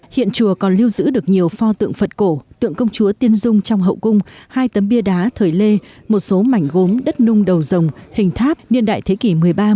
hiện chùa còn lưu giữ được nhiều pho tượng phật cổ tượng công chúa tiên dung trong hậu cung hai tấm bia đá thời lê một số mảnh gốm đất nung đầu dòng hình tháp niên đại thế kỷ một mươi ba